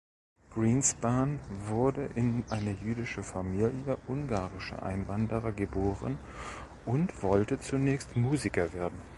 Greenspan wurde in eine jüdische Familie ungarischer Einwanderer geboren und wollte zunächst Musiker werden.